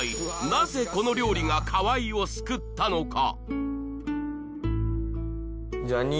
なぜこの料理が河合を救ったのか？